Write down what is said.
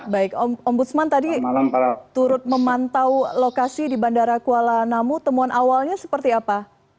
baik ombudsman tadi turut memantau lokasi di bandara kuala namu temuan awalnya seperti apa